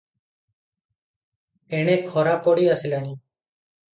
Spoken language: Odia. ଏଣେ ଖରା ପଡ଼ି ଆସିଲାଣି ।